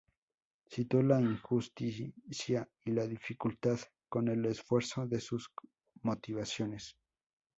Citó la injusticia y la dificultad con el esfuerzo de sus motivaciones.